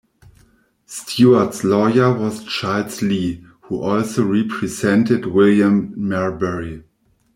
Stuart's lawyer was Charles Lee, who also represented William Marbury.